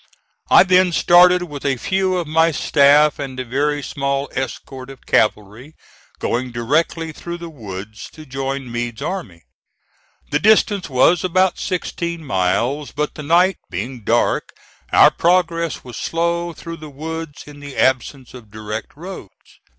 I then started with a few of my staff and a very small escort of cavalry, going directly through the woods, to join Meade's army. The distance was about sixteen miles; but the night being dark our progress was slow through the woods in the absence of direct roads.